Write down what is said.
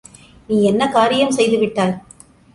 நீ என்ன செய்துவிட்டாய்!